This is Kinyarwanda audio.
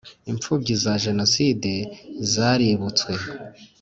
imfubyi za Jenoside zaributswe